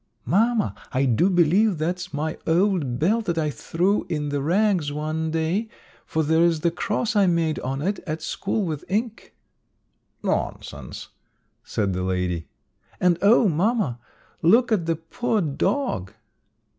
"Mamma, I do believe that's my old belt that I threw in the rags one day, for there's the cross I made on it at school with ink." "Nonsense," said the lady. "And, oh, mamma, look at the poor dog!"